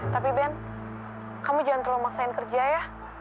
tapi ben kamu jangan terlalu maksain kerja ya